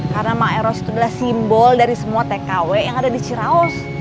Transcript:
karena maeros itu adalah simbol dari semua tkw yang ada di ciraos